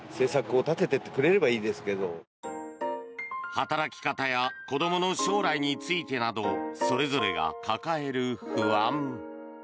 働き方や子どもの将来についてなどそれぞれが抱える不安。